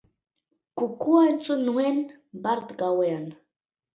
Kukua entzun nuen bart gauean.